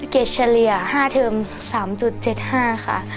เกรดเฉลี่ย๕เทิม๓๗๕ค่ะ